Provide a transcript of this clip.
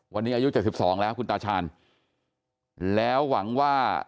วันนี้อายุ๗๒แล้วคุณตาชาญแล้วหวังว่า